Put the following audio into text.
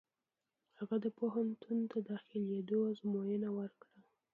هغه د پوهنتون د داخلېدو ازموینه ورکړه.